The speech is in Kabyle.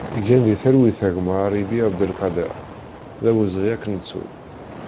Gen di talwit a gma Aribi Abdelkader, d awezɣi ad k-nettu!